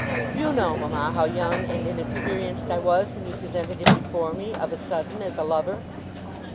You know, mama, how young and inexperienced I was, when you presented him before me, of a sudden, as a lover.